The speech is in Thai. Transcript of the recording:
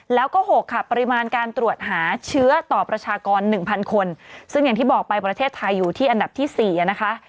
แล้วก็๖ค่ะปริมาณการตรวจหาเชื้อต่อประชากร๑๐๐คนซึ่งอย่างที่บอกไปประเทศไทยอยู่ที่อันดับที่๔นะคะ